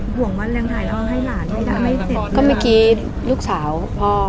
ก็เมื่อกี้ลูกสาวพ่อ